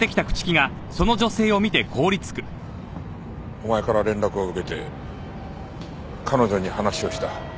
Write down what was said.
お前から連絡を受けて彼女に話をした。